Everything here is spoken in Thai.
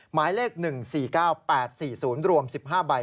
หมายเลข๑๔๙๘๔๐รวม๑๕ใบ